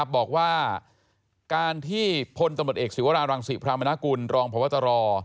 บอกว่าการที่พลตำรวจเอกศิวรารังศิพรามนากุลรองพบตร